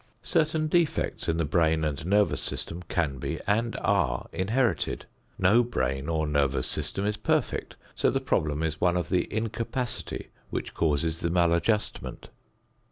Certain defects in the brain and nervous system can be and are inherited. No brain or nervous system is perfect, so the problem is one of the incapacity which causes the maladjustment.